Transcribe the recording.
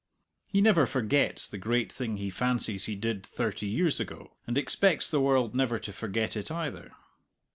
He never forgets the great thing he fancies he did thirty years ago, and expects the world never to forget it either.